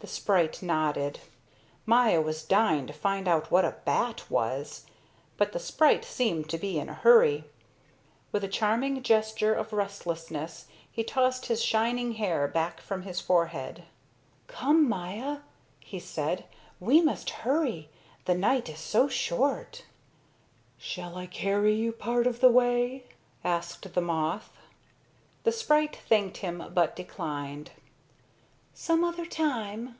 The sprite nodded. Maya was dying to find out what a bat was, but the sprite seemed to be in a hurry. With a charming gesture of restlessness he tossed his shining hair back from his forehead. "Come, Maya," he said, "we must hurry. The night is so short." "Shall I carry you part of the way?" asked the moth. The sprite thanked him but declined. "Some other time!"